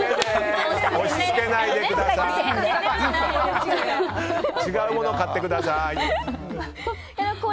ダメです違うもの買ってください。